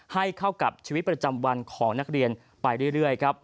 ให้เข้ากับชีวิตประจำวันของนักเรียนไปเรื่อยครับ